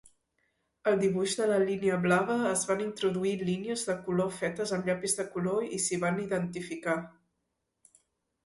Al dibuix de la línia blava es van introduir línies de color fetes amb llapis de color i s'hi van identificar.